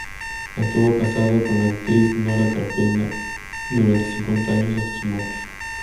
Estuvo casado con la actriz Nora Cárpena durante cincuenta años hasta su muerte.